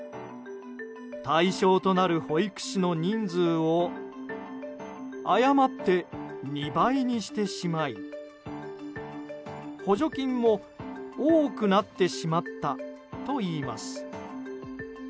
対象となる保育士の人数を誤って２倍にしてしまい補助金も多くなってしまったといいます。